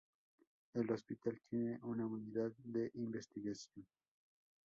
El hospital tiene una unidad de investigación.